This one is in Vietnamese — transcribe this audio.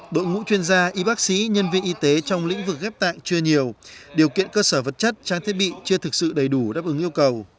đội ngũ chuyên gia y bác sĩ nhân viên y tế trong lĩnh vực ghép tạng chưa nhiều điều kiện cơ sở vật chất trang thiết bị chưa thực sự đầy đủ đáp ứng yêu cầu